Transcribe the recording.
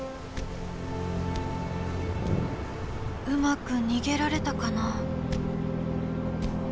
「うまく逃げられたかな」。